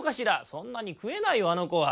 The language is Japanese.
「そんなにくえないよあのこは。